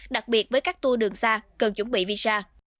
đặc biệt với các tour đường xa cần chuẩn bị visa